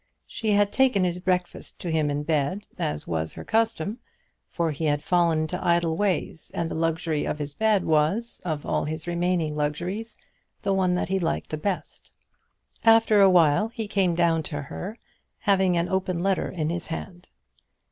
She had taken his breakfast to him in bed, as was her custom; for he had fallen into idle ways, and the luxury of his bed was, of all his remaining luxuries, the one that he liked the best. After a while he came down to her, having an open letter in his hand.